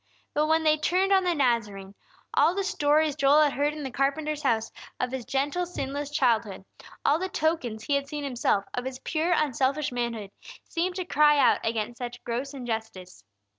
But when they turned on the Nazarene, all the stories Joel had heard in the carpenter's house of His gentle sinless childhood, all the tokens he had seen himself of His pure unselfish manhood, seemed to cry out against such gross injustice.